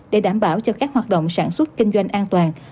để đảm bảo cho các hoạt động sản xuất kinh doanh an toàn